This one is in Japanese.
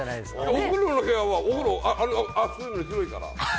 お風呂の部屋はお風呂、あれよりも広いから。